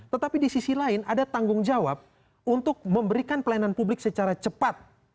tetapi di sisi lain ada tanggung jawab untuk memberikan pelayanan publik secara cepat